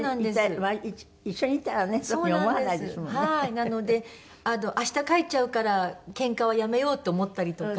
なので明日帰っちゃうからけんかはやめようと思ったりとか。